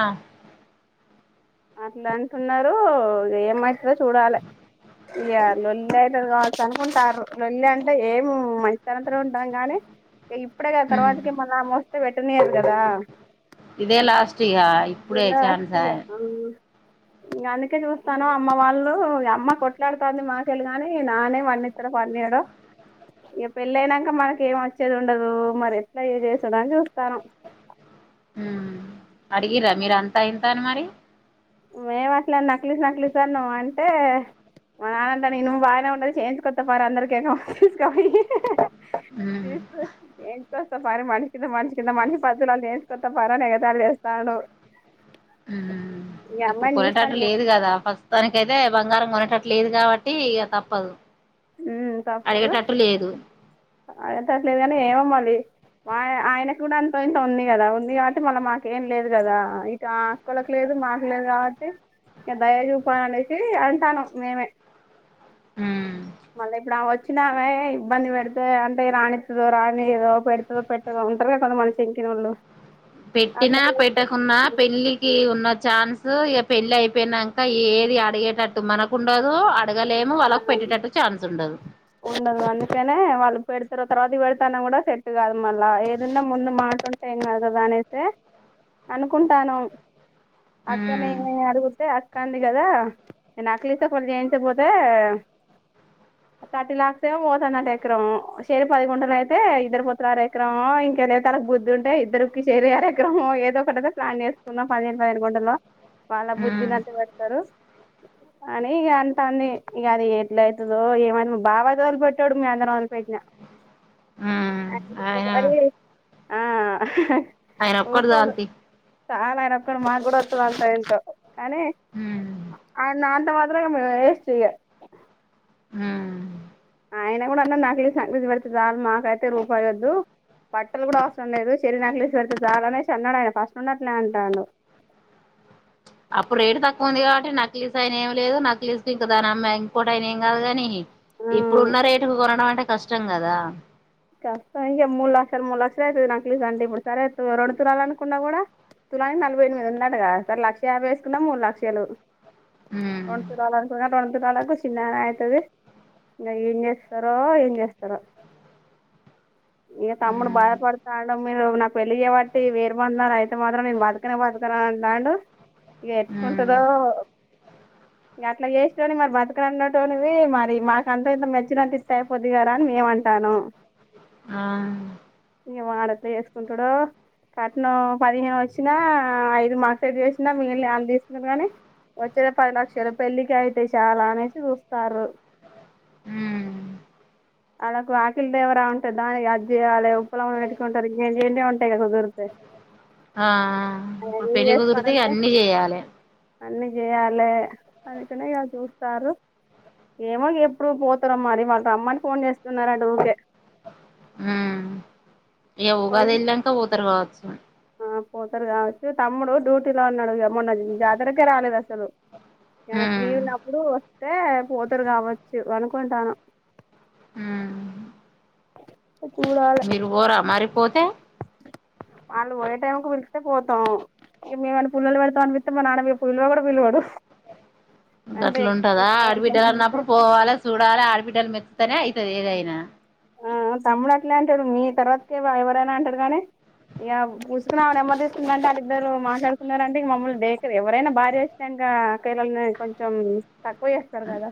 ఆ అట్లా అంటున్నారు ఏమై ఏ చూడాలే ఇగా లొల్లి అయితది కావచ్చు అనుకుంటారు లొల్లి అంటే ఏం మంచి తనంతో ఉంటాం గానీ హెల్ప్ ఇప్పుడే గాద తర్వాత కి మొన్న మోస్ ఈడ పెట్టనీయరు గదా ఇదేలాస్ట్ ఇగా ఇప్పుడే చాన్స్ ఇగ అయే ఇంగ అందుకే చూస్తాను అమ్మ వాళ్ళు ఇగ అమ్మ కొట్లాడుతది మా కెళ్లే గాని నాన్ననే వాడానిత్తాడో పడనీయడో ఇగా పెళ్లి అయినాక మనకి ఏం వచ్చేది ఉండదు మరి ఎట్లా ఇగా చేసుడు అని చూస్తానము హు అడిగీరా మీర్ అంతా ఇంత అని మరి మేము అట్లా నక్లెస్ నక్లెస్ అన్నమ్ అంటే మా నాన్న అంటాడు ఇనుము బాగానే ఉంది చేయించు కొత్తపారి అందరికీ ఉ తీసుకస్తా పారే మారి కింద మనిషి కింద మనిషి పది తులాలు చేయించు కత్త పార అని ఎగతాళి చేస్తాడు ఆ ఈ ఇప్పుడు అమ్మాయిని కొనేటట్లు చూస్తాను లేదు గదా ప్రస్తుతానికి అయితే బంగారం కొనేటట్ లేదు కాబట్టి ఇగ తప్పదు ఉ తప్పదు అడిగేటట్టు లేదు అయ్యేటట్లు లేదు గానీ ఏమో మళ్ళీ మాయ ఆయనకు గూడ అంతో ఇంతో ఉంది గదా ఉంది కాబట్టి మళ్ళా మాకు లేదు గదా ఇటు ఆ అక్కలకి లేదు మాకు లేదు కాబట్టి ఇగ దయ చూపాలు అనేసి అంటానం మేమే ఉ మళ్ళా ఇప్పుడు ఆమె వచ్చినావే ఇబ్బంది వెడితే అంటే రానిత్తదో రానీయాదో పెడుతదో పెట్టదో ఉంటారు కదా కొంతమంది మన చెంకినోళ్ళు అట్లా పెట్టినా పెట్టకున్నా చేస్తే పెళ్ళికి ఉన్నత్ చాన్స్ సో ఇగ పెళ్ళి అయిపోయినాన్ అక్క ఏది అడిగేటట్టు మనకు ఉండదు అడగలేమువాళ్ళకు పెట్టేటట్టు చాన్స్ ఉండదు ఉండదు అందుకనే వాళ్ళు పెడతారు తర్వాత వెడుతాన్న గూడ సెట్ గాదు మళ్ళా ఏదన్నా ముందు మాటంటే ఏం గాదు గదా అనేసి అనుకుంటాను అక్కనే నేను అడగుతే అక్ కంది గదా ఈ నెక్లెస్ ఒకటి చేయించపోతే థర్టీ లాక్స్ ఏవో పోతున్నట ఎకరం షేరి పది గుంటలు అయితే ఇద్దరు పొత్తుల అర ఎకరం ఇంకేదైతే తళకు బుద్ధి ఉంటే ఇద్దరుకి చేరి ఆర ఎకరము ఏదో ఒకటియితే ప్లాన్ చేసుకుందం పదిహేను పదిహేను గుంటలో వాళ్ల బుద్ధి ఉన్నంత వేడుతారు అని ఇగ అంటంది ఇగ అది ఎట్ల అవుతదో ఏమను బావ తొలిపియేటోడు. మీ అందర వొదలిపెట్న ఆయన ఆ ఆ ఆ ఆయన ఒక్కడు జాల్తీ చాలా అయినాక్కడు. మా గూడా వాతది అలా టైల్సు ఏంట కానీ తీ ఆర్నన్ తావంద్రం ఇంగా వెస్ట్ చేయ హు ఆయన కూడా అన్నాడు. నక్లీస్ నక్లీస్ పెడితే సాలు మకైతే రూపాయోందు. బట్టలు కూడా అవసరం లేదు. చెరి నక్లేస్ పెడితే జాల్ అనేసి అన్నాడు. ఆయన ఫస్ట్ ఉన్నట్లే అంటుండు. అప్పుడు రేటు తక్కువ ఉంది. కాబట్టి నక్లీస్ అయిన ఏం లేదు నక్లీస్ ఇంకా ధనమ్మ ఇంకోటైనా అయినా ఏం కాదు గాని ఆ ఇప్పుడు ఉన్న రేటుకు కొనడమంటే కష్టం కదా కష్టం ఇగా మూడు లక్షలు, మూడు లక్షలు అయితది. నాక్లిస్ అంటే ఇప్పుడు సరే రెండు తులాలనుకున్నా కూడా తులానికి నలభై ఎనిమిది ఉందటగాద. సరే లక్ష యాభై యేసుకున్న మూడు లక్షలు. హ్మ్ రోడ్ తులాలన్ తులం రొండు తులాలకు చిన్నగా అయితది. ఇంగా ఏం చేస్తారో, ఏం చేస్తారో. ఇగా తమ్ముడు హ్మ్ బాధపడుతాడు. మీరు నాకు పెళ్లి చేబట్టి వేరు గొట్నారా. అయితే మాత్రం నేను బతుకనే, బతుకను అన్నంటున్నాడు. ఇగా హ్మ్ ఎంట్లుంటాందో. ఇగా అట్లా చేస్టోడివి. మరి బతుకన్నాటోనివి మరి మాక్ అంత ఇంత మెచ్చినంత ఇస్త అయిపోద్ది కదా అని మేమ్ అంటానం. ఆ ఏమో ఆడేట్ల చేసుకుంటాడో కట్నం పదిహేను వచ్చినా ఐదు మార్సెడ్ చేచినా మిగిల్నాయి. ఆలు తీస్కుంరాని అని వచ్చే పది లక్షలు పెళ్ళికే అయిత్తాయి. చాలా అనేసి చూస్తారు. హ్మ్ ఆళ్లకు కిల్ దేవరా ఉంటే దానికి అందజేయాలే, ఉపలమ్మని పెట్టుకుంటారు. ఇగ్ ఇనే ఉంటాయి. కదా కుదిరితే. ఆ ఆ ఇప్పుడు అవన్నీ పెళ్ళి కుదిరితే ఇగా చేసుకోవాలంటే అన్ని జేయలే. లే అందుకనే ఇగా చూస్తారు. ఏమో ఎప్పుడు పోతారో మరి. మరి రమ్మని ఫోన్ చేస్తున్నారన్ తుకే ఇగా ఉగాది యెల్నాక వోతారు కావచ్చు. ఆ పోతారు గావచ్చు. తమ్ముడు డ్యూటీలో ఉన్నాడుగా మొన్న జాతరకే రాలేదు అసలు ఇయాల ఫ్రీ హ్మ్ ఉన్నప్పుడు తే పోతరు కావచ్చు వనుకుంటాను హ్మ్ మీరు ఓరా మరి పోతే ఆలు పోయే టైంకి పిలిస్తే పోతాం. ఇగా మీమేమన పుల్లలు పెడతాం అనిపిస్తే మా నాన్న పిల్వగూడ కూడా పలువాడు. గేట్లుటదా ఆడబిడ్డలు అన్నప్పుడు పోవాలే సూడలే ఆడబిడ్డలు మేచ్ తేనే అయితది ఏదైనా ఆ తమ్ముడు అట్లే అంటాడు. మీ తర్వాతకే ఎవరేనా అంటాడు. కానీ ఇగా పూసుకునా ఆవా నెంబర్ తీసుకుండంట ఆళ్ళిద్దరు మాట్లాడుకున్నారంట మమ్మల్ని దేకర ఎవరైనా భార్య హచ్చినాక అక్కజేల్లల్ని కొంచం తక్ అంత్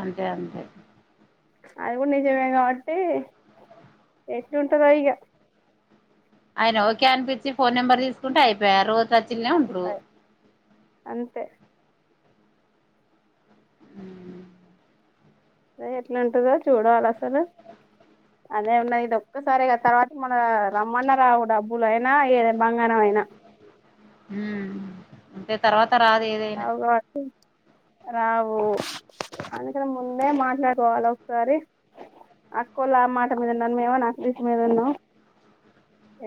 అంతే అంతే అది కూడా నిజమే కావట్టి ఎట్లుంటదో ఇగా అయిన ఒకే అనిపించి ఫోన్ నెంబర్ తీసుకుంటే అయిపోయ్ రో టచిల్నే ఉంట్రు. అంతే ఉహు అదే ఎంట్లుంటాదో చూడాలి. అసలు అదే ఉన్న ఇది ఒక్కసారి కదా తర్వాతికి మన్నా రమ్మన్న రావు. డబ్బులు అయినా ఏద బంగారం అయినా. అంటే తర్వాత తర్వాత రాదు ఏదైనా రావు కాబట్టి రావు అందుకని ముందే మాట్లాడుకోవాలి ఒకసారి అక్కోలా మాట మీద ఉన్నాను మేమో నా తీస్ మీద ఉన్నా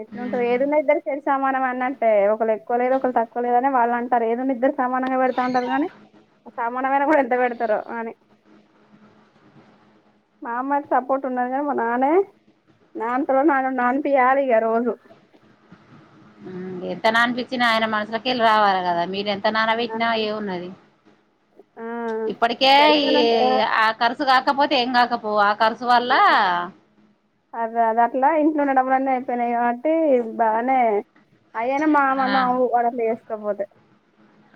ఎట్లు ఉంటు ఉమ్ ఏదన్నా ఇద్దరు కసి సమానం అన్న అంటే ఒక ఒకరు ఎక్కువ లేదు ఒకరు తక్కువ లేదు అన్నారు వాళ్ళు మరి ఏడున్నారుఇద్దరు సమానంగా పెడతా ఉంటారు కానీ ఆ సామానమైన కూడా ఎంత పెడ తార ఆనే మా అమ్మయికి సపోర్ట్ ఉన్నదిగా మా నాన్న నాన్న త నాన్న నానిపియాల ఇక రోజు ఎంత నా అనిపించినా ఆయన మనసుకి వెళ్ళి రావి కదా మీరెంత విత్తనాలు పెట్టిన ఏ ఉన్నది ఆ ఇప్పటికే ఈ పెడతానంట ఆఖర్ కాకపోతే ఎం కాకపో కర్స వళ్ల్ల అద అద అట్లా ఇంట్లో ఉన్న డబులు అన్నీ అయిపోయినాయి కాబట్టి బాగానే అయ్యేనా ఆ మామన్న వాడలేస్త పపోదు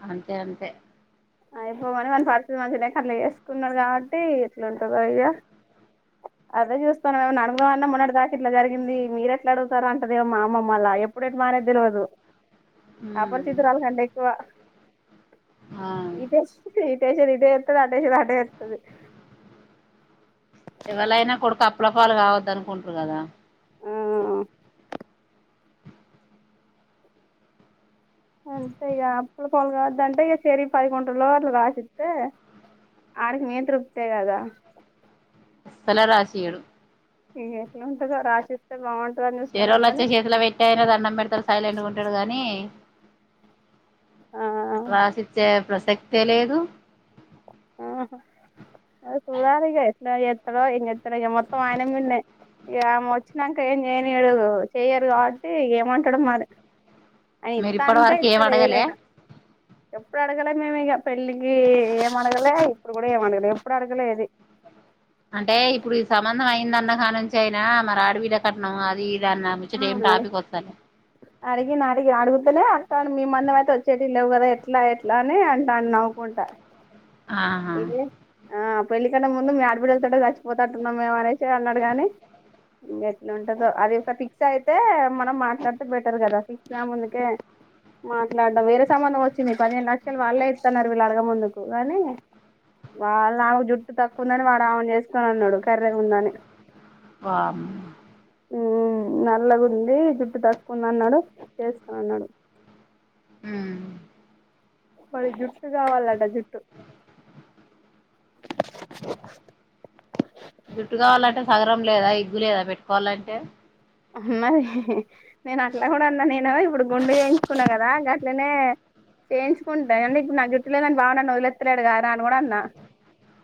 అంతే అంతే అయిపోమని మన పరిస్థితి మ తినక అట్లా వేసుకున్నాడు కాబట్టి ఇట్లాంటంద అయ్య అదే చూస్తాను ఏమో అడుగుతా ము అన్న మన్నడు దాకా ఇట్లా జరిగింది మీర ఎట్లా అడుగుతారో అంటదేమో మామ్మమ్మళ్లా ఎప్పుడ ఎ మా అనేది తెలియదు ఉమ్ అపరిచితురాలు కంటే ఎక్కువ ఆ ఇది అం ఇే అ [inaudible] ఇవళయినా కొడుకు రోడ్లపాలు కావద్ద అనుకుంటారు కదా అంతే ఇక అప్పుల పాలు కావద్దంటే ఇక చెరి పది గుంటలు రలో అట్లు కాసిస్తే ఆడికి మీ తృప్తా కదా తులారాశి ఏడు ఇ ఎట్లా ఉంటంది రాసిిస్తే బాగుంటుంది చేరళ్ళ వచ్చే చేతిలో పెట్టే అయిన అన్నం పెడతారు సైలెంట్ గా ఉంటాడు కాని ఆ రాసిస్తే ప్రసక్తి తెలియదు ఆహ చూడాలి ఇక ఎట్లా ఎత్తలో ఇం చెత్త ఇక మొత్తం ఆయన మన్నా ఇకమె వచ్చినాక ఏం చేయనీడు చెయ్యరు కాబట్టి ఏమంటాడు మరి ఆయన మీరు ఇత్తా అంటే ఇప్పటివరకు ఏ ఇస్తాడు మడగలే ఏదైనా ఎప్పుడు అడగలే మేము ఇక పెళ్ళికి ఏ అడగలే ఇప్పుడు కూడా ఏం అడగలి ఎప్పుడు అడగలే అది అంటే ఇప్పుడు సంబంధం అయింద అన్నగా నుంచి అయినా మరి ఆడబిడ్డ కట్నం అది ఇది అన్న ఆ ముచ్చట ఏం అ టాపిక్ వస్తలే అడిగ నా అడిగి ఆడుగుదల కానీ మీమందం అయితే వచ్చేటి లేవు కదా ఎట్లా ఎట్లా అని అంటా నవ్వుకుంటారు ఆహా ఇదే ఆ పెళ్ళ కన్నా ముందు మీ ఆడపిడి వెళ్తాడుో గర్చిపోతాట్టున్నాంేమ అనేసి అన్నాడు కానీ ఇంక ఎట్లా ఉంటుందో అది ఒక ఫిక్స్ అయితే మనం మాట్లాడితే బెటర్ కదా ఫిక్స్ కా ముందుకే మాట్లాడదాం వేరే సంబంధం వచ్చింది పదిహేను లక్షలు వాళ్ళే ఇస్తున్నారు వీళ్ళు అడగ ముందుకు కానీ వాళ్ళ నాకు జుట్టు తక్కువందని వాడు ఆమెను చేసుకుని అన్నాడు కర్రే ఉందని వ ఉ నల్లగు ఉంది జుట్టు తక్కుంద అన్నాడు చేసుకుని అన్నాడు ఆ మరి జుట్టు కావాలట జుట్టు జుట్టు కావాలంటే సగరం లేదా విగ్గు లేదా పెట్టుకోవాలంటే అ మరి నేను అట్లా కూడా అన్నా నేను ఇప్పుడు గుం డు చేయించుకున్నా కదా అట్లనే చేయించుకుంటుా అంటే ఇప్పుడు నా గుట్లేదని బాగున్నాను వదిలెత్తలేడు గారా అని కూడా అన్నా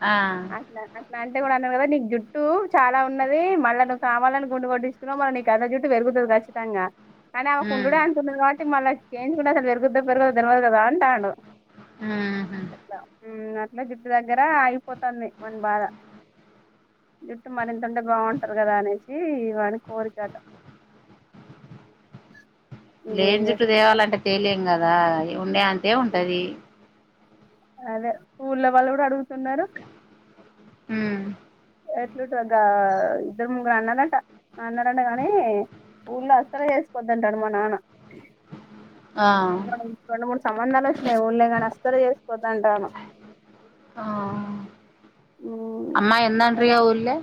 ఆ అ అంటే కూడా అన్నా కదా నీకు జుట్టు చాలా ఉన్నది మళ్ళా నువవు కావాలని గుండు కొట్ తిను మరి అంత జుట్టు పెరుగుతుంది కచ్చితంగా అనీ ఉమ్ కుండడు అంటతు [unintelligible] ల్ చేం్ కూడాగు [inaudible] ఉహు అ జిడ్టు దగ్గర పోతుంది మన బాధ జుట్టు మరింతంటే బాగుంటారు కదా అనేసి ఏ వాన కోరిక లేని చుట్టు దేవాలంటే తేలేం కదా ఉండే అంటే ఉంటది అదే ఊళ్ళ వాళ్ళు కూడా అడుగుతున్నారు హ ఎట్లు ఇద్దరు ముగ్గురు అన్నారంట అన్నారంట కానీ ఊళ్ళో అసలు చేసిపోద్దంటాడు మా నాన్న ఆ ప్ర [unintelligible] సంబంధాల లే ఉఊళ గణస్తర చేసిపోతాంటను అమ్మా ఎందండవుఊలే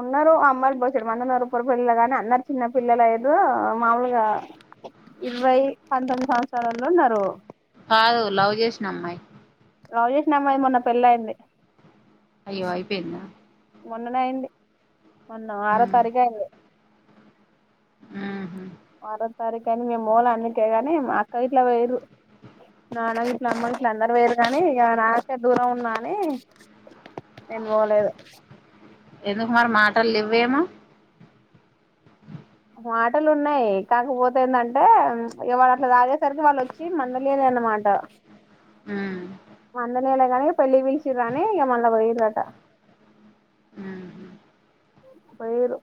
ఉన్నారు అమ్మాయిలుకి పోచ్చడు మంద ఉన్నారు ఉప్పురి పిల్లలు గాని అందరు చిన్న పిల్లలు లేదు మాములుగా ఇరవై పంతొమ్మిది సంవత్సరాల్లో ఉన్నారు కాదు లవ్ చేసిిన అమ్మాయి లవ్ చేసిన అమ్మాయిమొన్న పెళ్ళి అయింది అయ్యో అయిపోయిందా మొన్ననే అయింది మొన్న ఆరో తారీఖ అయిది ఆ ఆరో తారీఖు అని మేము మూల అందుకేగాని అక్క ఇట్లా వేరు అన ఇట్ల అమ్మ ఇలు అందరుూ వేరు కానీ ఇక నాకే దూరం ఉన్నా అని నేను పోలేదు ఎందుకు మరి మాటలు ఇవ్వేమో మాటలు ఉన్నాయి కాకపోతే ఏంటంటే వాళ అట్లా తాగేసరికి వాళ్ళు వచ్చి మండలి అనే అన్నమాట ఆ నల కానీ పెళ్లి వీచి రానిే ఏ మళ పోయట ఆ పొయ్యరు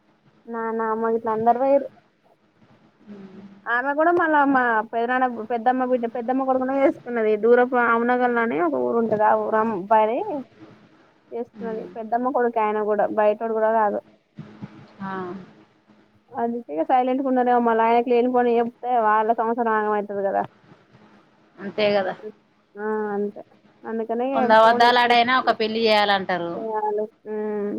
నాన్నమ్మ గట్ల అందరూ పొయ్యిండ్రు ఆమె కూడా మళ్ మా పెదనాన్న పెద్దమ్మ బిడ్డ పెద్దమ్మ కొడుకు వేసుకున్నది దూర అమ్నగర్ లోనే ఒక ఊరు ఉంటది ఆ ఊర అమ్ బడ చేస్తున్నది ఉమ్ పెద్దమ్మ కొడుకి ఆయన కూడా బయటోడు కూడా కాదు ఆా అదికేగా సైలెంట్ కున్నార అ మలయన లేనిపోనివి చెప్తే వాళ్ళ సంసారం ఆగం అయితది కదా అంతే కదా ఆ అంతే అందుకనే ఫోన్ వందఅబద్ధాలు ఎక్కువ ఆడైనా ఒక పెళ్లి చేయాలంటారు హ్మ్మ్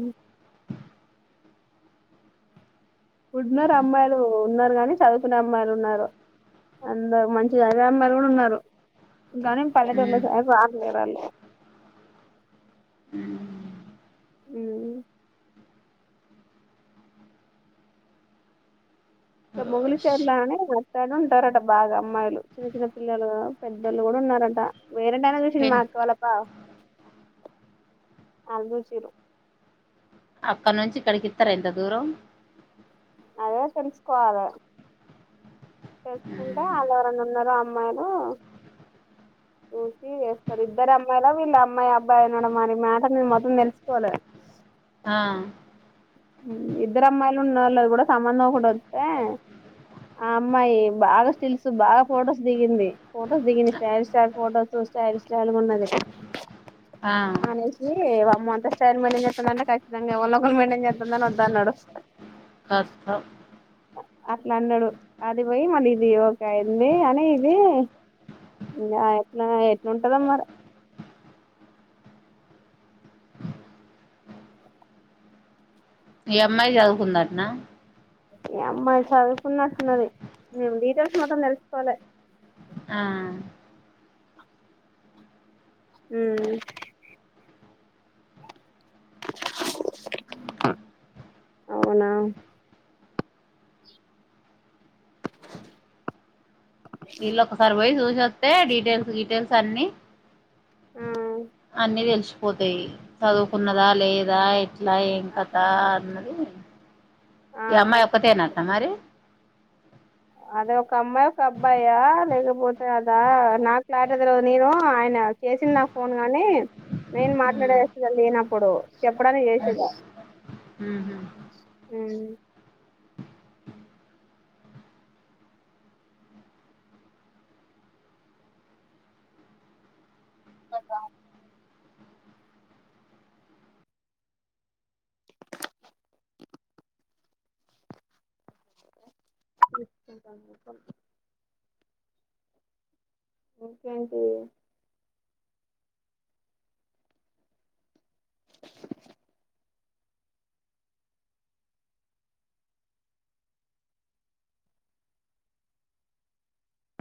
ఉన్నరు అమ్మాయిలు ఉన్నరు కానీ చదుకునే అమ్మాయిలు ఉన్నరు అందరు మంచిగా సదివే అమ్మాయిలు గూడ ఉన్నరు గగనీం పల్లెటలో ఉమ్ స రాలేాలి [unintelligible] హిం ఉమ్ ఓష్ మొగిలిచర్ లనే స ఉంటారంట బాగా అమ్మాయిలు చిన్న చిన్న పిల్లలు పెదోళ్లు గూడ ఉన్నారంట వేరేంటైనా చూసిండు మా పెన్ అక్క వాళ్ల బావ అల్లెసిర్రు అక్కడ్నుంచి ఇక్కడ ఇతర ఇంతదూరం అదే తెలుసుకోవాలె తెల్సుకుంటే ఉమ్ అల్లు ఎవరన్న ఉన్నారో ఆ మ్మాయిలే చూసి ఎస్తా ఇద్దరు అమ్మాయిల విల్ల అమ్మాయి అబ్బాయి ఉన్నారా మాటర్ మొత్తం తెలుసుకోలే ఆఆ ఇద్దరు అమ్మాయిలు ఉన్నొలోది కూడ సంబంధం ఒకటొస్తే ఆ అమ్మాయ్ బాగ స్టిల్స్ బాగ్ ఫొటోస్ దిగింది ఫొటోస్ దిగింది style style photos style style గున్నది ఆ మనిషి వ మె అంత స్టయిల్ మెయింటేన్ చేస్తుందంటే కచితంగా ఎవర్నో ఒకర్ని మెయింటేన్ జేస్తూ అన్నను వద్దన్నాడు కథం అట్లన్నాడు అది పొయి మళ్ళీ ఇది ఒకే అయింది అని ఇది ఇగ ఎట్లుంటాదో మరే ఈ అమ్మాయ్ చదుకుందటన ఈ అమ్మాయి సదుకున్నటున్నది హిం డీటెయిల్స్ మొత్తం తెలుస్కోలె హా హ్మ్మ్ అవునా ఇల్ లొక్కసారి పోయి సు సస్తే డీటెయిల్స్ డీటెయిల్స్ అన్నిీ పోతే సదుకున్నద లేదా ఎట్ల ఎంకత అన్నది ఆ ఈ అమ్మాయ్ తెలుసు ఒక్కతేనటన మరి అదే ఒక అమ్మాయి ఒక అబ్బాయా లేకపోతే అదా నాక్ క్లారిటీగా తెల్వది నేను ఐన చేసిండు నాక్ ఫోన్ కని నేను ఉమ్, మాట్లాడేస్తుద లేేనప్పుడు చెప్పడానికి ఉమ్, చేసేదిా ఉమ్, పాపా కికు ఇంకేంటి